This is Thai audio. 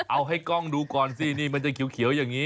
เอาให้กล้องดูก่อนสินี่มันจะเขียวอย่างนี้